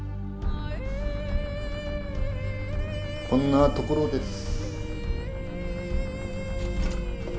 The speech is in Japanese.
こんなところです。